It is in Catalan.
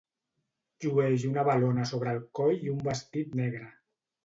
Llueix una valona sobre el coll i un vestit negre.